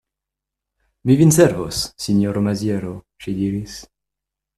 Mi vin servos, sinjoro Maziero, ŝi diris.